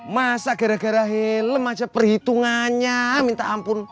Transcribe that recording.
masa gara gara helm aja perhitungannya minta ampun